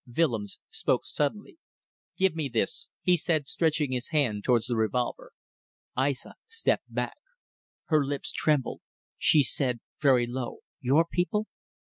Willems spoke suddenly. "Give me this," he said, stretching his hand towards the revolver. Aissa stepped back. Her lips trembled. She said very low: "Your people?"